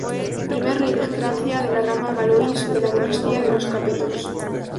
Primer rey de Francia de la rama Valois de la Dinastía de los Capetos.